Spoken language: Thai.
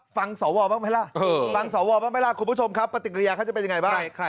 ฟังสอวาวบ้างไหมล่ะคุณผู้ชมครับปฏิกิริยาเขาจะจะเป็นยังไงบ้าง